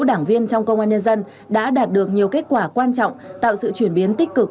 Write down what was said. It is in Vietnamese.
đảng viên trong công an nhân dân đã đạt được nhiều kết quả quan trọng tạo sự chuyển biến tích cực